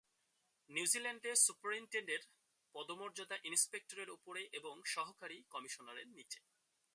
নিউজিল্যান্ডে সুপারিন্টেন্ডেন্টের পদমর্যাদা ইন্সপেক্টরের উপরে এবং সহকারী কমিশনারের নিচে।